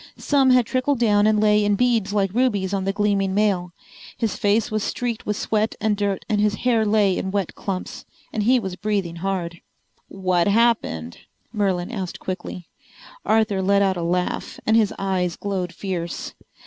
Some had trickled down and lay in beads like rubies on the gleaming mail. His face was streaked with sweat and dirt and his hair lay in wet clumps, and he was breathing hard. "What happened?" Merlin asked quickly. Arthur let out a laugh and his eyes glowed fierce.